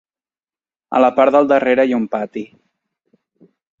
A la part del darrere hi ha un pati.